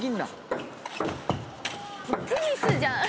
テニスじゃん。